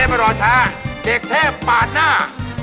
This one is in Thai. เด็กเทพรอชาเด็กเทพปาดหน้า